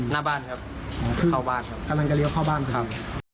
หน้าบ้านครับเข้าบ้านครับกำลังจะเลี้ยวเข้าบ้านครับ